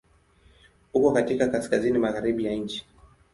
Uko katika kaskazini-magharibi ya nchi.